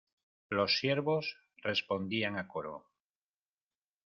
los siervos respondían a coro.